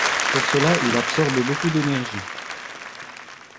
Pour cela, il absorbe beaucoup d'énergie.